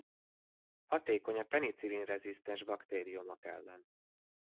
Hatékony a penicillin-rezisztens baktériumok ellen.